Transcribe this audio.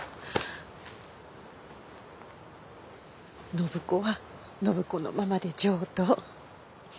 暢子は暢子のままで上等。